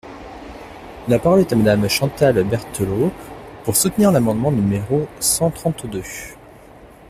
La parole est à Madame Chantal Berthelot, pour soutenir l’amendement numéro cent trente-deux.